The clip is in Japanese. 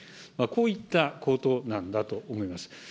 こういったことなんだと思います。